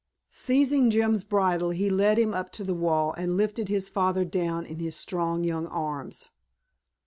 Seizing Jim's bridle he led him up to the wall and lifted his father down in his strong young arms.